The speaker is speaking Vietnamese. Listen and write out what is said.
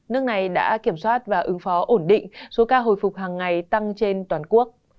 nước này đã kiểm soát và ứng phó ổn định số ca hồi phục hàng ngày tăng trên toàn quốc